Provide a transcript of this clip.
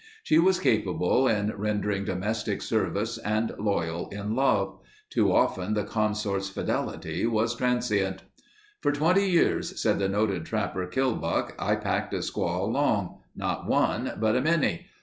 She was capable in rendering domestic service and loyal in love. Too often the consort's fidelity was transient. "For 20 years," said the noted trapper, Killbuck, "I packed a squaw along—not one, but a many.